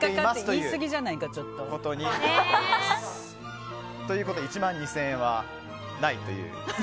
言いすぎじゃないか、ちょっと。ということで１万２０００円はないという。